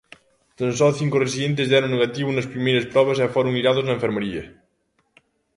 Tan só cinco residentes deron negativo nas primeiras probas e foron illados na enfermería.